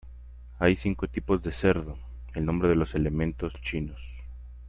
Hay cinco tipos de cerdo, el nombre de los elementos chinos.